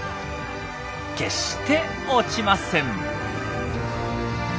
決して落ちません。